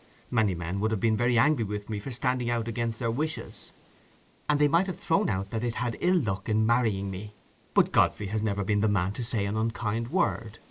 Many men would have been very angry with me for standing out against their wishes; and they might have thrown out that they'd had ill luck in marrying me; but Godfrey has never been the man to say me an unkind word.